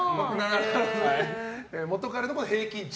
元カレの平均値。